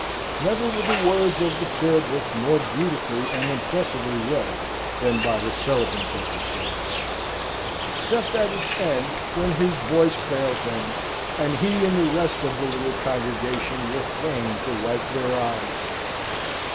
Never were the words of the Prayer book more beautifully and impressively read than by the celebrant of the service; except at its end, when his voice failed him, and he and the rest of the little congregation were fain to wipe their eyes.